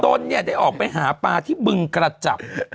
ตนเนี่ยได้ออกไปหาปลาที่บึงกระจับ